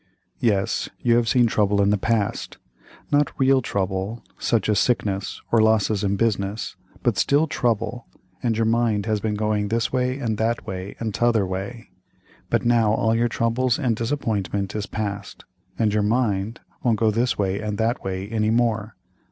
"Yes, you have seen trouble in the past, not real trouble, such as sickness, or losses in business, but still, trouble, and your mind has been going this way and that way and t'other way, but now all your trouble and disappointment is past, and your mind won't go this way and that way any more.